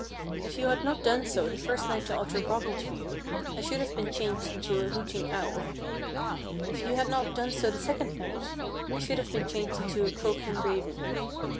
If you had not done so the first night the otter brought me to you I should have been changed into a hooting owl ; if THE HOUSE IN THE LAKE 27 you had not done so the second night, I should have been changed into a croaking raven.